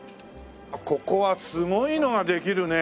ここはすごいのができるね。